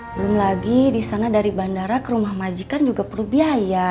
belum lagi di sana dari bandara ke rumah majikan juga perlu biaya